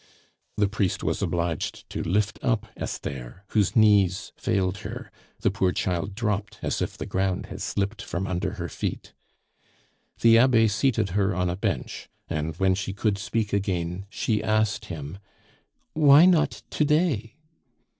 The priest was obliged to lift up Esther, whose knees failed her; the poor child dropped as if the ground had slipped from under her feet. The Abbe seated her on a bench; and when she could speak again she asked him: "Why not to day?"